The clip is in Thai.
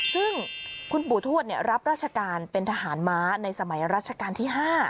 ซึ่งคุณปู่ทวดรับราชการเป็นทหารม้าในสมัยราชการที่๕